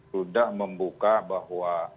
sudah membuka bahwa